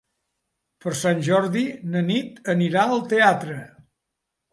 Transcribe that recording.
Per Sant Jordi na Nit anirà al teatre.